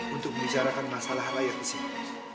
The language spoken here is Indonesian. untuk membicarakan masalah rakyat di sini